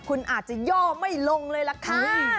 คุณอาจจะย่อไม่ลงเลยล่ะค่ะ